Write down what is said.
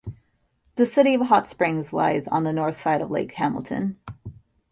The city of Hot Springs lies on the north side of Lake Hamilton.